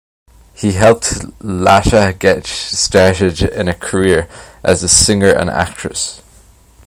He helped Lata get started in a career as a singer and actress.